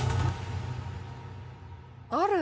ある？